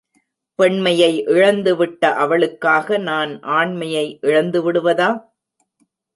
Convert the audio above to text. பெண்மையை இழந்துவிட்ட அவளுக்காக, நான் ஆண்மையை இழந்து விடுவதா?